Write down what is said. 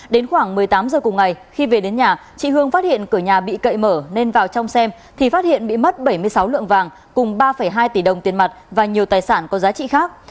đến khoảng một mươi tám h cùng ngày khi về đến nhà chị hương phát hiện cửa nhà bị cậy mở nên vào trong xem thì phát hiện bị mất bảy mươi sáu lượng vàng cùng ba hai tỷ đồng tiền mặt và nhiều tài sản có giá trị khác